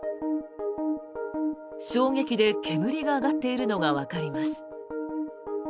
衝撃で煙が上がっているのがわかります。